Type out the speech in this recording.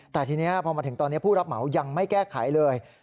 แต่ทีนี้พอมาถึงตอนนี้ผู้รับเหมายังไม่แก้ไขเลย